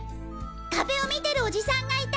壁を見てるオジさんがいた！